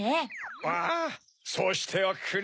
ああそうしておくれ。